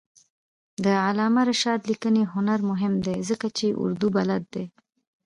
د علامه رشاد لیکنی هنر مهم دی ځکه چې اردو بلد دی.